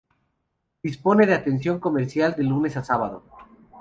Dispone de atención comercial de lunes a sábado.